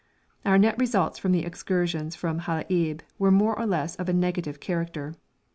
Our net results from the excursions from Halaib were more or less of a negative character.